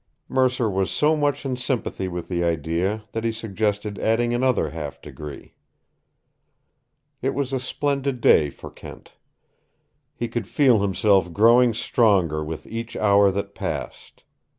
Mercer was so much in sympathy with the idea that he suggested adding another half degree. It was a splendid day for Kent. He could feel himself growing stronger with each hour that passed.